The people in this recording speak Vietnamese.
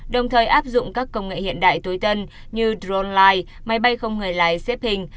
đồng thời áp dụng các công nghệ hiện đại tối tân như drone life máy bay không người lái xếp hình